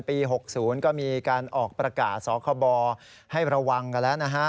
ปี๖๐ก็มีการออกประกาศสคบให้ระวังกันแล้วนะฮะ